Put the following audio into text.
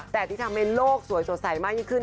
แต่ที่ทำให้โลกสวยสดใสขึ้น